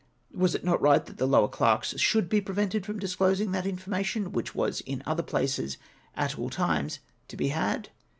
Was it not right that the lower clerks should be prevented from disclosing that infor mation which was in other places at all times to be had